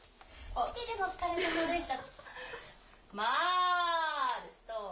お疲れさまでした。